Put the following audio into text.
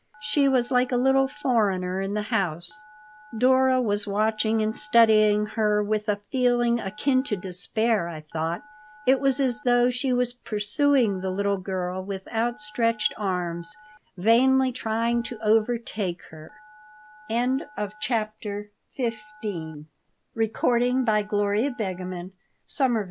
She was like a little foreigner in the house Dora was watching and studying her with a feeling akin to despair, I thought. It was as though she was pursuing the little girl, with outstretched arms, vainly trying to overtake her CHAPTER XVI I WAS rapidly advancing on the road to financial triumphs.